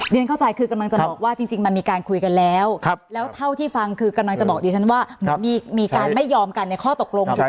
เข้าใจคือกำลังจะบอกว่าจริงมันมีการคุยกันแล้วแล้วเท่าที่ฟังคือกำลังจะบอกดิฉันว่าเหมือนมีการไม่ยอมกันในข้อตกลงถูกไหม